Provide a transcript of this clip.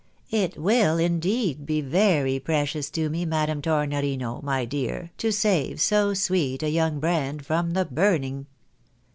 " It will, indeed, be very precious to me, Madame Tornorino, my dear, to save so sweet a young brand from the burning